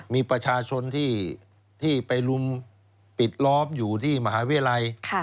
มีประชาชนที่ไปลุมปิดล้อมอยู่ที่มหาวิทยาลัย